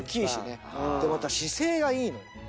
でまた姿勢がいいの。